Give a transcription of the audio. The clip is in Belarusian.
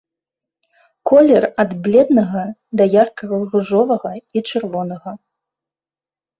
Колер ад бледнага да ярка ружовага і чырвонага.